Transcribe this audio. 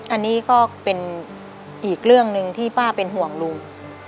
อันนี้ก็เป็นอีกเรื่องหนึ่งที่ป้าเป็นห่วงลุง